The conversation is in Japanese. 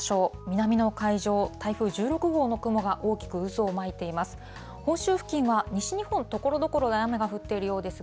南の海上、台風１６号の雲が大きく渦を巻いています。